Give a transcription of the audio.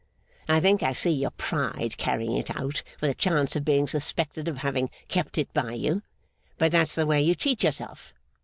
I think I see your pride carrying it out, with a chance of being suspected of having kept it by you. But that's the way you cheat yourself.